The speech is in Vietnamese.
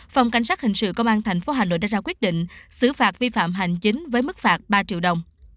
phòng cảnh sát hình sự công an tp hà nội đã ra quyết định xử phạt vi phạm hành chính với mức phạt ba triệu đồng